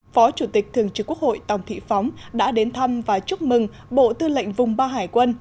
phó chủ tịch thường trực quốc hội tòng thị phóng đã đến thăm và chúc mừng bộ tư lệnh vùng ba hải quân